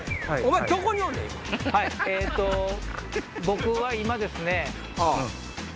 僕は今ですね。